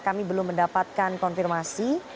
kami belum mendapatkan konfirmasi